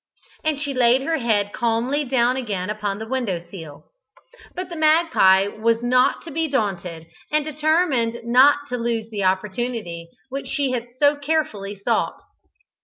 And she laid her head calmly down again upon the windowsill. But the magpie was not to be daunted, and determined not to lose the opportunity which she had so carefully sought.